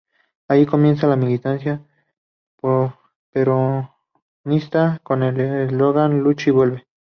Allí comienza la militancia peronista con el eslogan "Luche y vuelve".